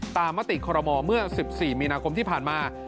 มติคอรมอเมื่อ๑๔มีนาคมที่ผ่านมา